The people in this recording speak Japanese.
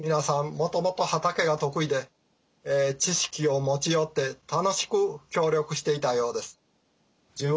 もともと畑が得意で知識を持ち寄って楽しく協力していたようです。